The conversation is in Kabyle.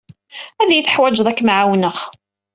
Ad iyi-teḥwijed ad kem-ɛawneɣ.